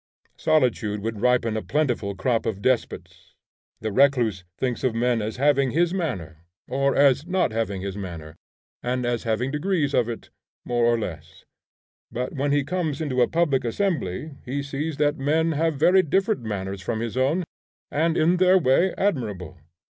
Solitude would ripen a plentiful crop of despots. The recluse thinks of men as having his manner, or as not having his manner; and as having degrees of it, more and less. But when he comes into a public assembly he sees that men have very different manners from his own, and in their way admirable.